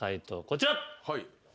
こちら。